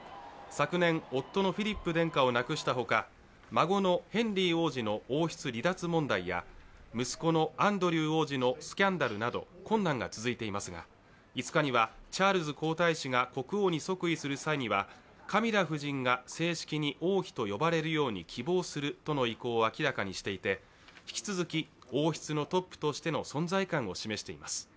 昨年、夫のフィリップ殿下を亡くしたほか、孫のヘンリー王子の王室離脱問題や息子のアンドュー王子のスキャンダルなど困難が続いていますが５日には、チャールズ皇太子が国王に即位する際にはカミラ夫人が正式に王妃と呼ばれるように希望するとの意向を明らかにしていて引き続き王室のトップとしての存在感を示しています。